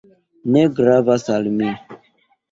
Ne gravas al mi.